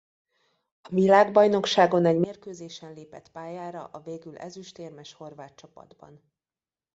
A világbajnokságon egy mérkőzésen lépett pályára a végül ezüstérmes horvát csapatban.